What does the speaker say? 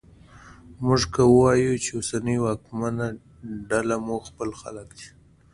موږ که وایوو چې اوسنۍ واکمنه ډله مو خپل خلک دي